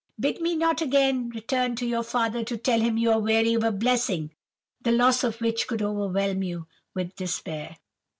Bid me not again return to your father to tell him you are weary of a blessing, the loss of which would overwhelm you with despair.